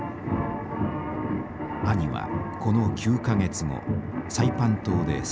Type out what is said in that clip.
兄はこの９か月後サイパン島で戦死しました。